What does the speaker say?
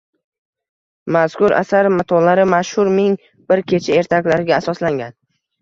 Mazkur asar matolari mashhur ming bir kecha ertaklariga asoslangan.